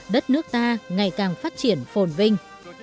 đất nước ta ngày càng phát triển phồn vinh